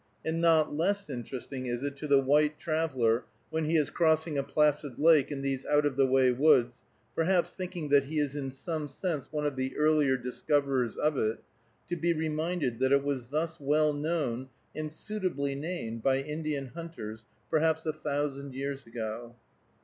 And not less interesting is it to the white traveler, when he is crossing a placid lake in these out of the way woods, perhaps thinking that he is in some sense one of the earlier discoverers of it, to be reminded that it was thus well known and suitably named by Indian hunters perhaps a thousand years ago.